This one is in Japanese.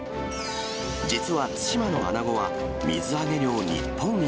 実は対馬のアナゴは、水揚げ量日本一。